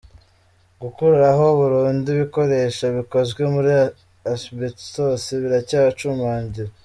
Gukuraho burundu ibikoresho bikozwe muri Asbestos biracyacumbagira.